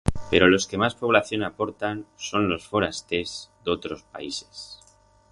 Pero los que mas población aportan son los forasters d'otros países.